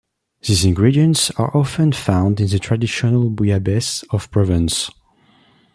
These ingredients are often found in the traditional bouillabaisse of Provence.